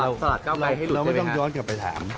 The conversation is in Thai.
เราไม่ต้องย้อนกลับไปถาม